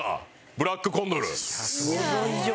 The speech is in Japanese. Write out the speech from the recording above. ブラックコンドル。